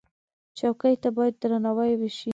چوکۍ ته باید درناوی وشي.